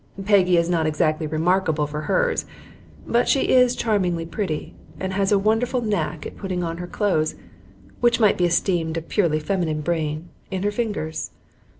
Peggy is not exactly remarkable for hers, but she is charmingly pretty, and has a wonderful knack at putting on her clothes, which might be esteemed a purely feminine brain, in her fingers.